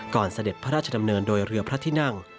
เสด็จพระราชดำเนินโดยเรือพระที่นั่ง